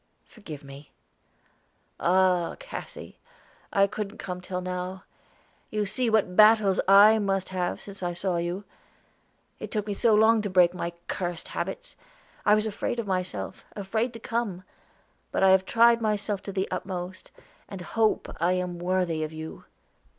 "Forgive me." "Ah, Cassy! I couldn't come till now. You see what battles I must have had since I saw you. It took me so long to break my cursed habits. I was afraid of myself, afraid to come; but I have tried myself to the utmost, and hope I am worthy of you.